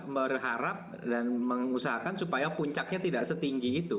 berharap dan mengusahakan supaya puncaknya tidak setinggi itu